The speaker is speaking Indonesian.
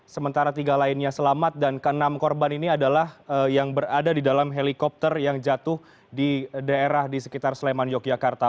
sementara tiga lainnya selamat dan ke enam korban ini adalah yang berada di dalam helikopter yang jatuh di daerah di sekitar sleman yogyakarta